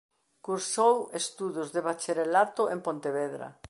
Cursou estudos de bacharelato en Pontevedra.